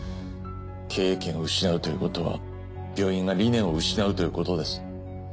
経営権を失うということは病院が理念を失うということです。